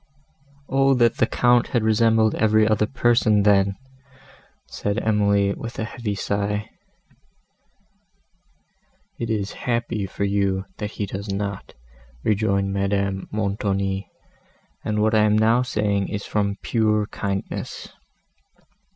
"O that the Count had resembled every other person, then!" said Emily, with a heavy sigh. "It is happy for you, that he does not," rejoined Madame Montoni; "and what I am now saying is from pure kindness.